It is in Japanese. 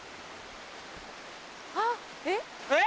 あっえっ？